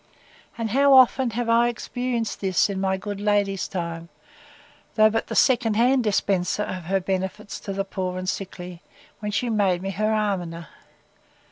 And how often have I experienced this in my good lady's time, though but the second hand dispenser of her benefits to the poor and sickly, when she made me her almoner!